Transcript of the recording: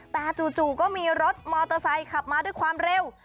แต่จู่ก็มีรถมอเตอร์ไซค์ขับมาด้วยความเร็ว